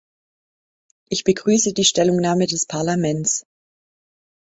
Ich begrüße die Stellungnahme des Parlaments.